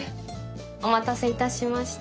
お待たせいたしました。